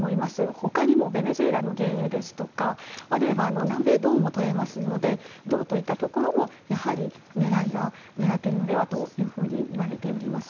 他にもベネズエラの原油ですとか南米、銅も取れますので銅といったところも狙っているのではといわれております。